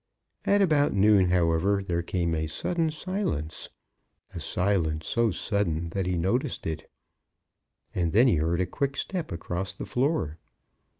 At about noon, however, there came a sudden silence, a silence so sudden that he noticed it. And then he heard a quick step across the floor.